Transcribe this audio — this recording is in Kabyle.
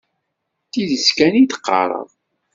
D tidet kan i d-qqareɣ.